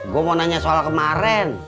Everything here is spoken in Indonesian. gue mau nanya soal kemarin